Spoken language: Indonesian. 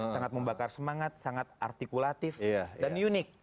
sangat membakar semangat sangat artikulatif dan unik